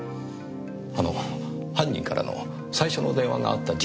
あの犯人からの最初の電話があった時刻は？